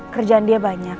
kerjaan dia banyak